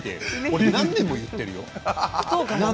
何年も言ってるよ。